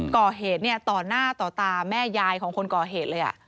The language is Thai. ก่อเหตุต่อหน้าต่อตาแม่ยายของคนก่อเหตุเลย